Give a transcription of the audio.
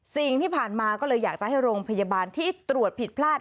สิ่งที่ผ่านมาก็เลยอยากจะให้โรงพยาบาลที่ตรวจผิดพลาด